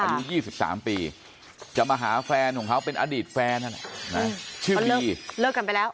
อายุ๒๓ปีจะมาหาแฟนของเขาเป็นอดีตแฟนชื่อลีเลิกกันไปแล้ว